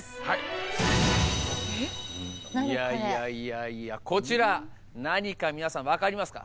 いやいやいやいやこちら何か皆さん分かりますか？